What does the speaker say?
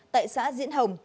tại xã diễn hồng